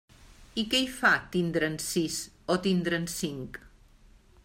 I què hi fa tindre'n sis o tindre'n cinc?